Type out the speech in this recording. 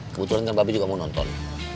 kebetulan babe juga mau nonton